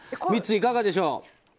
ミッツ、いかがでしょう？